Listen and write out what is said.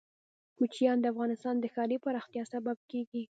کوچیان د افغانستان د ښاري پراختیا سبب کېږي.